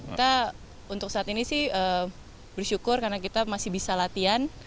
kita untuk saat ini sih bersyukur karena kita masih bisa latihan